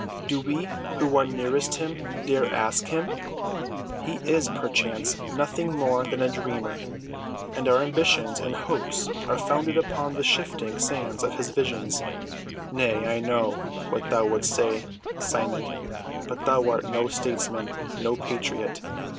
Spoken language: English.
Do we who are nearest him dare ask him? He is, perchance, nothing more than a dreamer, and our ambitions and hopes are founded upon the shifting sands of his visions. Nay, I know what thou wouldst say, Simon. But thou art no statesman—no patriot.